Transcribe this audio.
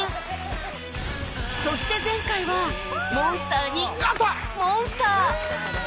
そして前回はモンスターにモンスター